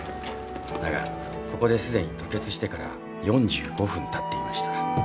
だがここですでに吐血してから４５分たっていました。